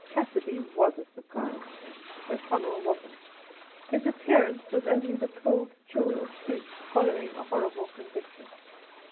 Cassidy was a surprise ; O'ConneU wasn't. His appearance was only the cold chill of proof following a horrible conviction.